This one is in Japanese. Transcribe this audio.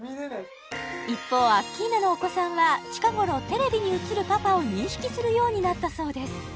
一方アッキーナのお子さんは近頃テレビに映るパパを認識するようになったそうです